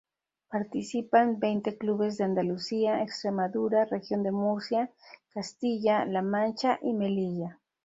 Participan veinte clubes de Andalucía, Extremadura, Región de Murcia, Castilla-La Mancha y Melilla.